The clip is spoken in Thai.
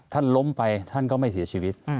ท่านล้มไปท่านก็ไม่เสียชีวิต